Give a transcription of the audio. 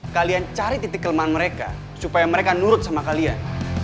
kalian cari titik kelemahan mereka supaya mereka nurut sama kalian